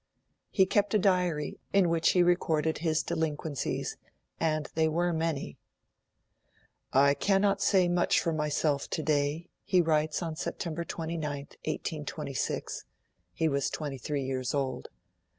He kept a diary in which he recorded his delinquencies, and they were many. 'I cannot say much for myself today,' he writes on September 29th, 1826 (he was twenty three years old).